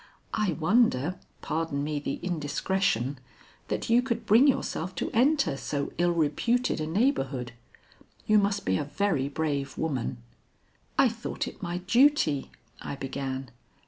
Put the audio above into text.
I wonder pardon me the indiscretion that you could bring yourself to enter so ill reputed a neighborhood. You must be a very brave woman." "I thought it my duty " I began.